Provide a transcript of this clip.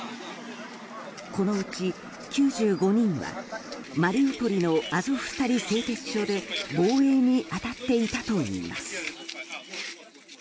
このうち９５人は、マリウポリのアゾフスタリ製鉄所で防衛に当たっていたといいます。